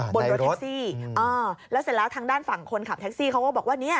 บนรถแท็กซี่แล้วเสร็จแล้วทางด้านฝั่งคนขับแท็กซี่เขาก็บอกว่าเนี่ย